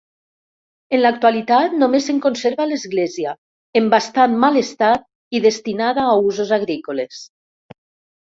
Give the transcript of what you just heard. En l'actualitat, només se'n conserva l'església, en bastant mal estat i destinada a usos agrícoles.